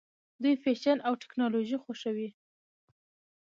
دوی فیشن او ټیکنالوژي خوښوي.